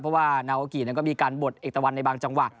เพราะว่านาโอกิก็มีการบดเอกตะวันในบางจังหวะ